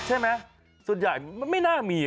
ใช่ไหมส่วนใหญ่มันไม่น่ามี